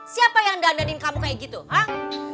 siapa yang dandadin kamu kayak gitu ha